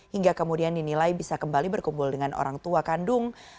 hingga kemudian dinilai bisa kembali berkumpul dengan orang tua kandung